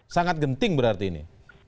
sangat genting berarti ini